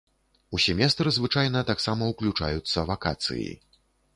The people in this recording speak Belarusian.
У семестр звычайна таксама ўключаюцца вакацыі.